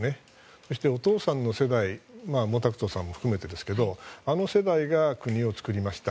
そしてお父さんの世代毛沢東さんも含めてですがあの世代が国をつくりました。